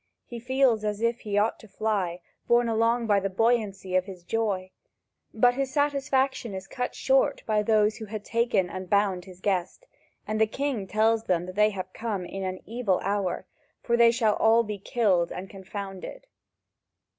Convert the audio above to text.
He feels as if he ought to fly, borne along by the buoyancy of his joy. But his satisfaction is cut short by those who had taken and bound his guest, and the king tells them they have come in an evil hour, for they shall all be killed and confounded.